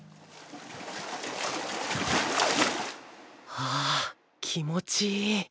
ああ気持ちいい